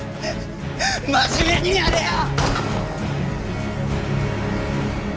真面目にやれよ！